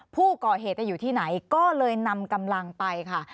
ผู้ก่อเหตุอยู่ที่ไหนก็เลยนำกำลังไปค่ะ